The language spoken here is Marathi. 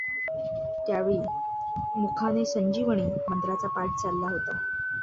त्या वेळी मुखाने संजीवनी मंत्राचा पाठ चालला होता.